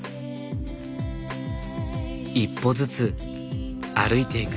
一歩ずつ歩いていく。